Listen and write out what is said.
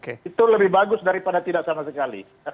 itu lebih bagus daripada tidak sama sekali